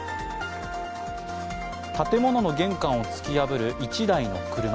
建物の玄関を突き破る１台の車。